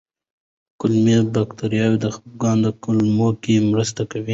کولمو بکتریاوې د خپګان د کمولو کې مرسته کوي.